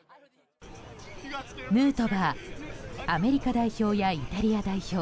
ヌートバーアメリカ代表やイタリア代表